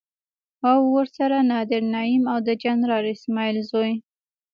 او ورسره نادر نعيم او د جنرال اسماعيل زوی.